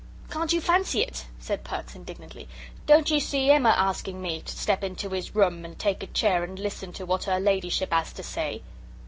"Can't you fancy it?" said Perks, indignantly; "don't you see 'im a asking of me to step into 'is room and take a chair and listen to what 'er Ladyship 'as to say?"